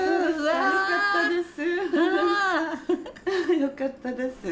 よかったです。